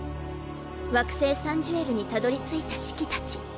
惑星サン・ジュエルにたどり着いたシキたち。